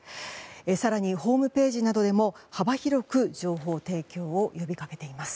更に、ホームページなどでも幅広く情報提供を呼びかけています。